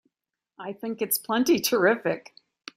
I think it's plenty terrific!